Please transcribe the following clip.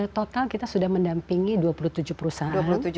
total kita sudah mendampingi dua puluh tujuh perusahaan